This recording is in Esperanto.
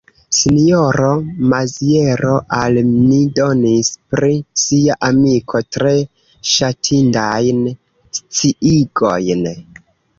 Sinjoro Maziero al ni donis pri sia amiko tre ŝatindajn sciigojn.